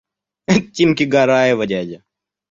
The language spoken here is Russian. – Это Тимки Гараева дядя.